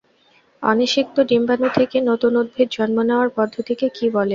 অনিষিক্ত ডিম্বাণু থেকে নতুন উদ্ভিদ জন্ম নেয়ার পদ্ধতিকে কী বলে?